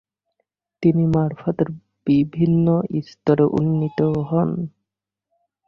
তিনি মারফাতের বিভিন্ন স্তরে উন্নীত হন।